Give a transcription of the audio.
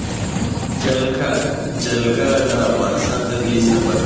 جلګه د افغانستان طبعي ثروت دی.